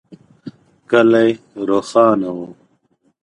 کلی روښانه و.